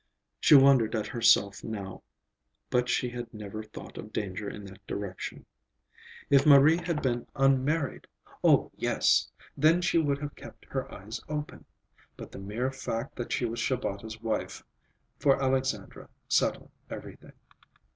She wondered at herself now, but she had never thought of danger in that direction. If Marie had been unmarried,—oh, yes! Then she would have kept her eyes open. But the mere fact that she was Shabata's wife, for Alexandra, settled everything.